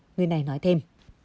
người này nói thêm